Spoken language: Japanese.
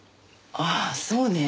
ああそうね。